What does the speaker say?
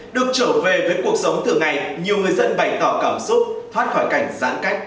được trở về với cuộc sống thường ngày nhiều người dân bày tỏ cảm xúc thoát khỏi cảnh giãn cách